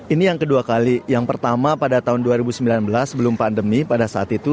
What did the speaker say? ini yang kedua kali yang pertama pada tahun dua ribu sembilan belas sebelum pandemi pada saat itu